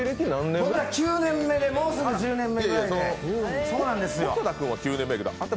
僕ら９年目で、もうすぐ１０年で。